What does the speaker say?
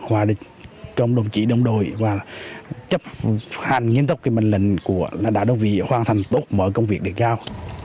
cảm ơn các đồng chí đồng đội và chấp hành nghiên cứu kinh minh lệnh của đại đồng vị hoàn thành tốt mọi công việc được giao